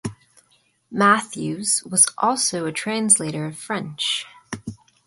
Mathews was also a translator of French.